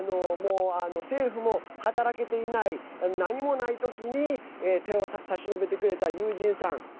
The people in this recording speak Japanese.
政府も働けていない何もないときに手を差し伸べてくれたユージンさん。